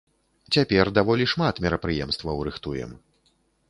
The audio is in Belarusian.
Цяпер даволі шмат мерапрыемстваў рыхтуем.